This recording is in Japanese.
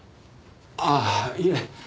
ああいえ。